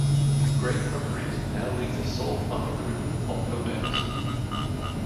Greg Humphreys now leads a soul-funk group called Hobex.